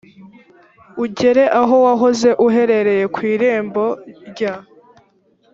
ugere aho wahoze uhereye ku irembo rya